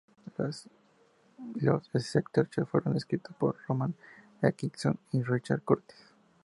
Los sketches fueron escritos por Rowan Atkinson y Richard Curtis.